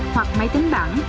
hoặc máy tính bản